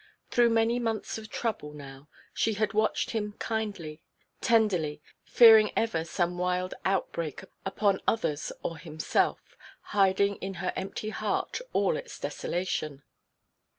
Through many months of trouble, now, she had watched him kindly, tenderly, fearing ever some wild outbreak upon others or himself, hiding in her empty heart all its desolation.